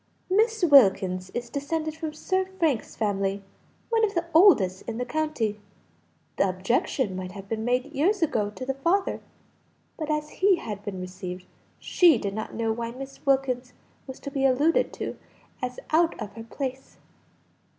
"Miss Wilkins is descended from Sir Frank's family, one of the oldest in the county; the objection might have been made years ago to the father, but as he had been received, she did not know why Miss Wilkins was to be alluded to as out of her place."